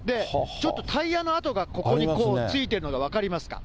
ちょっとタイヤの跡がここにこう、ついているのが分かりますか？